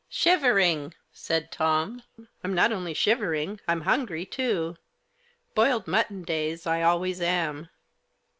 "Shivering!" said Tom. "I'm not only shiver ing ; Fm hungry too. Boiled mutton days I always am."